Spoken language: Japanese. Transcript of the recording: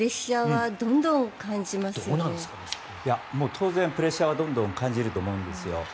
当然プレッシャーはどんどん感じると思うんですよ。